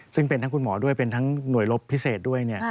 ซึ่งเป็นทั้งคุณหมอด้วยเป็นทั้งหน่วยลบพิเศษด้วย